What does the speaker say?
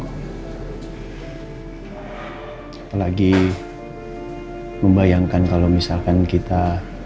apalagi membayangkan kalau misalkan kita